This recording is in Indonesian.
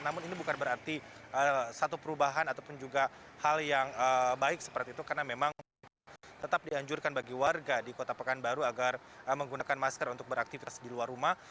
namun ini bukan berarti satu perubahan ataupun juga hal yang baik seperti itu karena memang tetap dianjurkan bagi warga di kota pekanbaru agar menggunakan masker untuk beraktivitas di luar rumah